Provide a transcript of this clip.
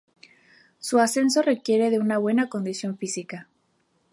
Su ascenso requiere de una buena condición física.